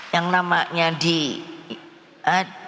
yang namanya di